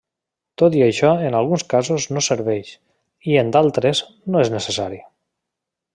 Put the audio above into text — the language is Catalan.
Tot i això en alguns casos no serveix, i en d'altres no és necessari.